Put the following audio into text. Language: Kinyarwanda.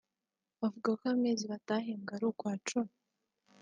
Avuga ko amezi batahembwe ari ukwa cumi